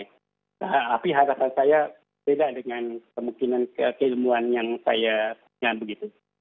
tapi harapan saya beda dengan kemungkinan keilmuan yang saya punya begitu